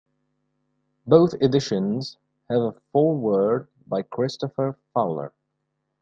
Both editions have a foreword by Christopher Fowler.